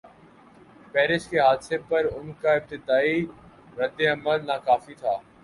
Paris کے حادثے پر ان کا ابتدائی رد عمل ناکافی تھا۔